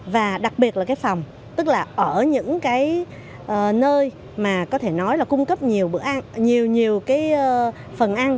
và đặc biệt là phòng tức là ở những nơi mà có thể nói là cung cấp nhiều phần ăn